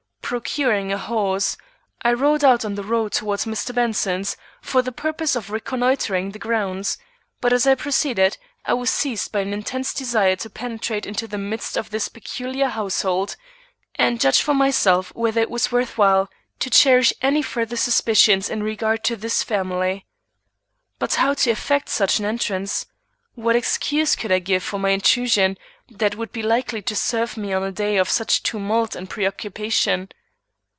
Procuring a horse, I rode out on the road toward Mr. Benson's, for the purpose of reconnoitring the grounds; but as I proceeded I was seized by an intense desire to penetrate into the midst of this peculiar household, and judge for myself whether it was worth while to cherish any further suspicions in regard to this family. But how to effect such an entrance? What excuse could I give for my intrusion that would be likely to serve me on a day of such tumult and preoccupation?